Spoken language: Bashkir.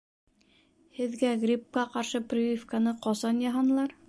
Һеҙгә грипҡа ҡаршы прививканы ҡасан яһанылар?